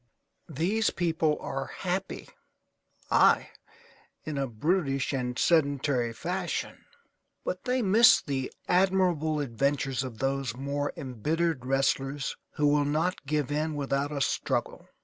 These people are happy, aye, in a brutish and sedentary fashion, but they miss the admirable adventures of those more embittered wrestlers who will not give in without a struggle.